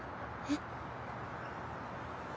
えっ？